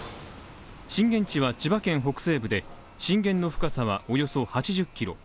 震源地は千葉県北西部で震源の深さはおよそ８０ｋｍ。